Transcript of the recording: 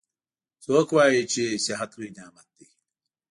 څوک وایي چې صحت لوی نعمت ده